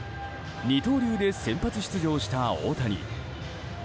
二刀流で先発出場した大谷。